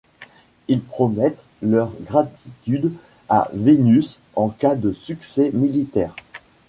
Ils promettent leur gratitude à Vénus en cas de succès militaire.